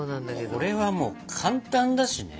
これはもう簡単だしね。